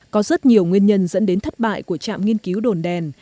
có rất nhiều nguyên nhân dẫn đến thất bại của trạm nghiên cứu đồn đèn